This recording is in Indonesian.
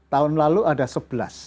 tahun lalu ada sebelas